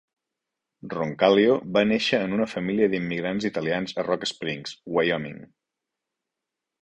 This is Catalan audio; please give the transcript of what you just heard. Roncalio va néixer en una família d'immigrants italians a Rock Springs, Wyoming.